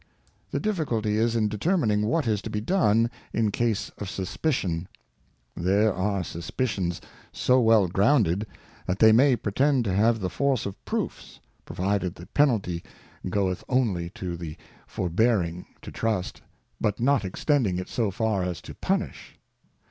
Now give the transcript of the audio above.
The difficulty is in determining what is to be done in case of suspicion. There are suspicions so well grounded, that they may pretend to have the force of proofs, provided the penalty goeth only m3 to 164 Cautions for Choice of to the forbearing to Trust, but not extending it so far as to Punish.